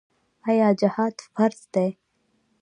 آیا جهاد فرض دی؟